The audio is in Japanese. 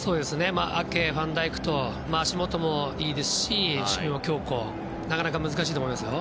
アケ、ファンダイクと足元もいいですし守備も強固でなかなか難しいと思いますよ。